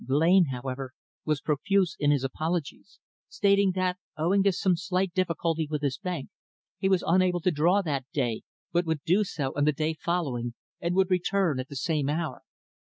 Blain, however, was profuse in his apologies, stating that, owing to some slight difficulty with his bank, he was unable to draw that day, but would do so on the day following, and would return at the same hour.